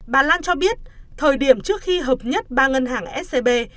bà lan cho biết thời điểm trước khi hợp nhất ba ngân hàng scb